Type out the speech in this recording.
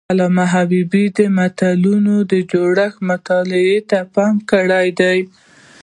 علامه حبيبي د ملتونو د جوړښت مطالعې ته پام کړی دی.